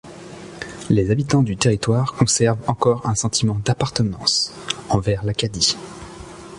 Les habitants du territoire conservent encore un sentiment d'appartenance envers l'Acadie.